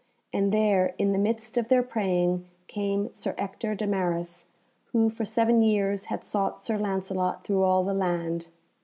And there, in the midst of their praying, came Sir Ector de Maris, who for seven years had sought Sir Lancelot through all the land.